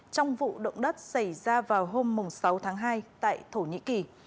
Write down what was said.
trong vụ động đất xảy ra vào hôm sáu tháng hai tại thổ nhĩ kỳ